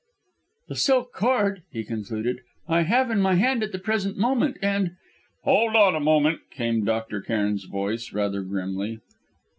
"The silk cord," he concluded, "I have in my hand at the present moment, and " "Hold on a moment!" came Dr. Cairn's voice, rather grimly.